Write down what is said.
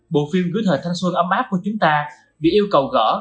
bộ phim gửi thời thanh xuân ấm áp của chúng ta bị yêu cầu gỡ